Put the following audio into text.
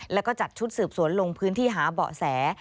แล้วก็จัดชุดสืบสวนลงพื้นที่หาเบาะแส